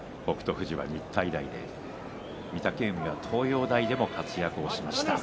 富士は日体大で御嶽海は東洋大でも活躍しました。